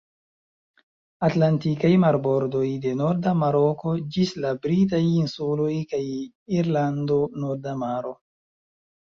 Atlantikaj marbordoj, de norda Maroko ĝis la britaj insuloj kaj Irlando; Norda Maro.